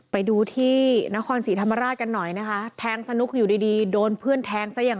ไปดูที่นครศรีธรรมราชกันหน่อยนะคะแทงสนุกอยู่ดีดีโดนเพื่อนแทงซะอย่าง